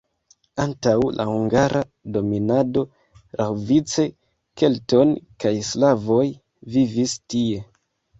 Antaŭ la hungara dominado laŭvice keltoj kaj slavoj vivis tie.